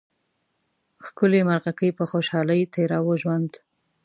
ښکلې مرغکۍ په خوشحالۍ تېراوه ژوند